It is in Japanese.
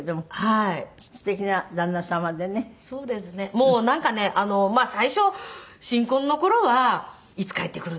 もうなんかね最初新婚の頃はいつ帰ってくるんだ